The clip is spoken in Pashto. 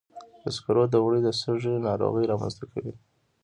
د سکرو دوړې د سږي ناروغۍ رامنځته کوي.